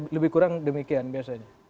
lebih kurang demikian biasanya